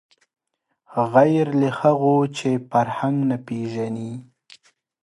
غیر له هغو چې فرهنګ نه پېژني